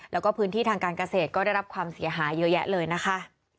แล้วก็พื้นที่ทางการเกษตรก็ได้รับความเสียหายเยอะแยะเลยนะคะ